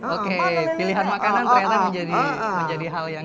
oke pilihan makanan ternyata menjadi hal yang cukup diperlukan